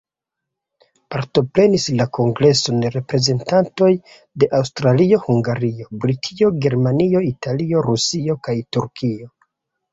Partoprenis la kongreson reprezentantoj de Aŭstrio-Hungario, Britio, Germanio, Italio, Rusio kaj Turkio.